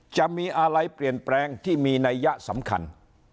จะมีอะไรเปลี่ยนแปลงที่มีนัยยะสำคัญ